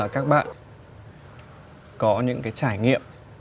có những cái trải nghiệm